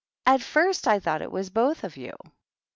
" At first I thought it was both of you."